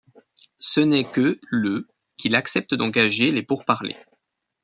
Ce n'est que le qu'il accepte d'engager les pourparlers.